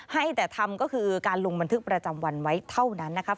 ให้แต่ทำก็คือการลงบันทึกประจำวันไว้เท่านั้นนะครับ